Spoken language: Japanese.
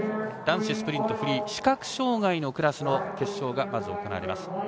男子スプリントフリー視覚障がいのクラスの決勝がまず行われます。